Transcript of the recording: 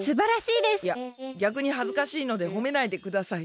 いやぎゃくにはずかしいのでほめないでください。